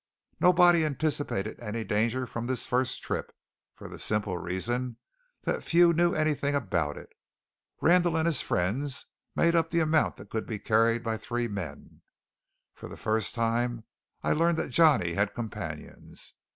Nobody anticipated any danger from this first trip, for the simple reason that few knew anything about it. Randall and his friends made up the amount that could be carried by the three men. For the first time I learned that Johnny had companions.